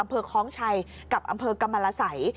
อำเภอคล้องชัยกับอำเภอกำมลสัย